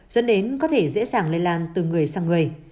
dẫn đến có thể dễ dàng lây lan từ người sang người